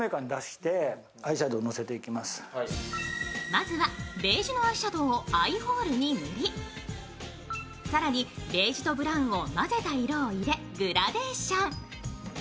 まずはベージュのアイシャドウをアイホールに塗り更にベージュとブラウンを混ぜた色を入れ、グラデーション。